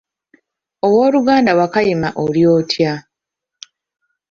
Ow'oluganda Wakayima oli otya?